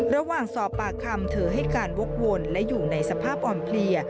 ระหว่างสอบปากคำเธอให้การวกวนและอยู่ในสภาพอ่อนเพลีย